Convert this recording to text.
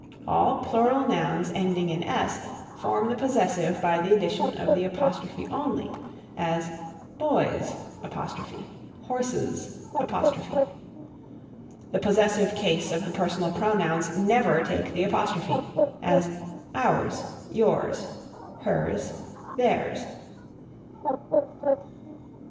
All plural nouns ending in s form the possessive by the addition of the apostrophe only as boys', horses'. The possessive case of the personal pronouns never take the apostrophe, as ours, yours, hers, theirs.